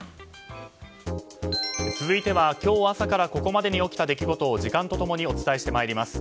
続いては今日朝からここまでに起きた出来事を時間と共にお伝えしてまいります。